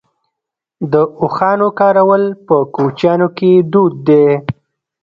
د اوښانو کارول په کوچیانو کې دود دی.